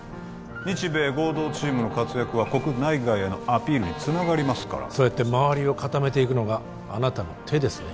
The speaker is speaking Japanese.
日米合同チームの活躍は国内外へのアピールにつながりますからそうやって周りを固めていくのがあなたの手ですね